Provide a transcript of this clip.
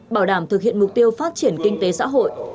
bảo đảm thực hiện mục tiêu phát triển kinh tế xã hội